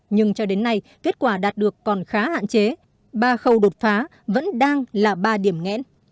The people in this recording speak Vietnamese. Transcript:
nhưng cho đến nay kết quả đạt được còn khá hạn chế ba khâu đột phá vẫn đang là ba điểm nghẽn